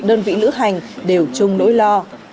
đơn vị lữ hành đều chung nỗi lo